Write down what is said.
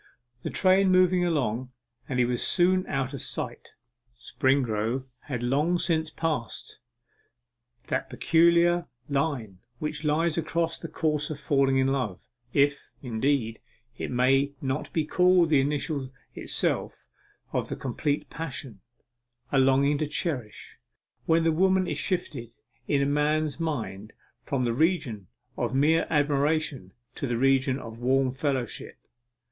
The train moved along, and he was soon out of sight. Springrove had long since passed that peculiar line which lies across the course of falling in love if, indeed, it may not be called the initial itself of the complete passion a longing to cherish; when the woman is shifted in a man's mind from the region of mere admiration to the region of warm fellowship.